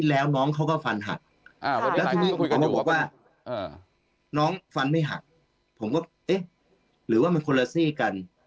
แล้วคือผมก็บอกว่าน้องฟันไม่หักผมก็เอ๊ะหรือว่ามันคนละซี่กัน